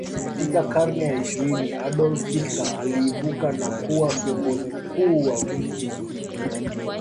Katika karne ya ishirini Adolf Hitler aliibuka na kuwa kiongozi mkuu wa ujerumani